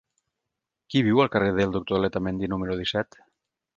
Qui viu al carrer del Doctor Letamendi número disset?